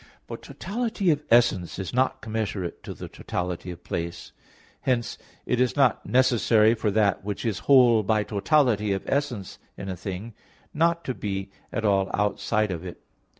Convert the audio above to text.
But totality of essence is not commensurate to the totality of place. Hence it is not necessary for that which is whole by totality of essence in a thing, not to be at all outside of it.